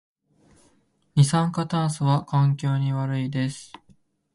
二酸化炭素は環境に悪いです